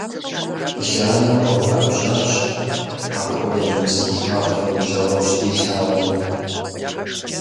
Ланэ къэуӀэбжьащ, апхуэдэ нэмысыншагъэ и ныбжьэгъум щыдилъагъум.